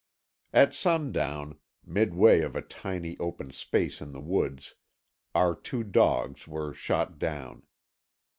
At sundown, midway of a tiny open space in the woods, our two dogs were shot down.